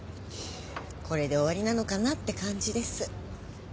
これで終わりなのかなって感じです。